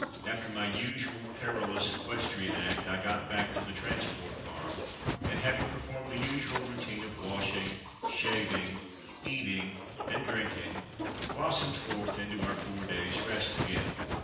After my usual perilous equestrian act I got back to the Transport Farm, and having performed the usual routine of washing, shaving, eating and drinking, blossomed forth into our four days' rest again.